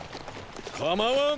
かまわん！